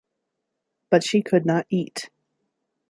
But she could not eat.